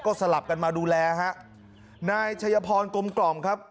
ก็สลับกันมาดูแลฮะนายชัยพรกลมกล่อมครับ